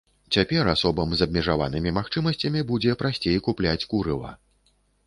Цяпер асобам з абмежаванымі магчымасцямі будзе прасцей купляць курыва.